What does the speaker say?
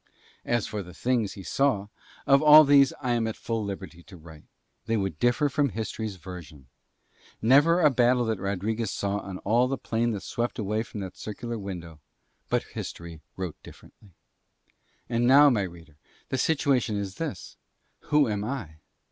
As for the things he saw, of all of these I am at full liberty to write, and yet, my reader, they would differ from History's version: never a battle that Rodriguez saw on all the plain that swept away from that circular window, but History wrote differently. And now, my reader, the situation is this: who am I?